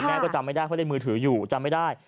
แม่ก็จำไม่ได้เพราะเล่นมือถืออยู่จำไม่ได้